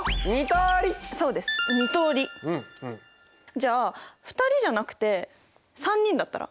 じゃあ２人じゃなくて３人だったら？